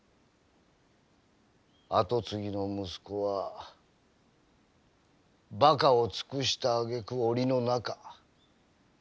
後継ぎの息子はばかを尽くしたあげくおりの中。